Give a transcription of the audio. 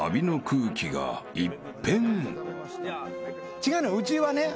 違うのようちはね